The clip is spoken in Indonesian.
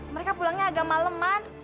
mereka pulangnya agak maleman